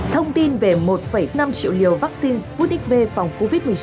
thông tin về một năm triệu liều vaccine covid một mươi chín phòng covid một mươi chín